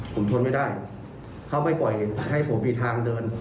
ผมทนไม่ได้เขาไม่ปล่อยให้ผมมีทางเดิน